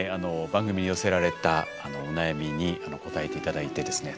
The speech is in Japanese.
番組に寄せられたお悩みに答えて頂いてですね